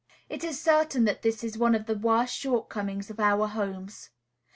It is certain that this is one of the worst shortcomings of our homes.